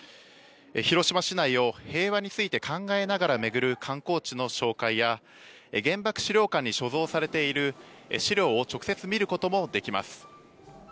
広島市内を平和について考えながら巡る観光地の紹介や原爆資料館に所蔵されている資料を直接見ることもできます。